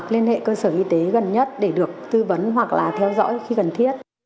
liên hệ cơ sở y tế gần nhất để được tư vấn hoặc là theo dõi khi cần thiết